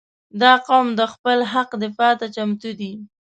• دا قوم د خپل حق دفاع ته چمتو دی.